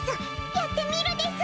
やってみるです！